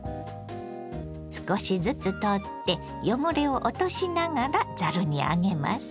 少しずつ取って汚れを落としながらざるに上げます。